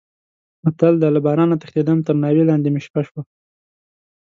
متل دی: له بارانه تښتېدم تر ناوې لانې مې شپه شوه.